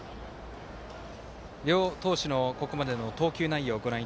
両投手のここまでの投球内容です。